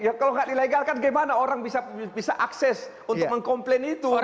ya kalau nggak dilegalkan gimana orang bisa akses untuk mengkomplain itu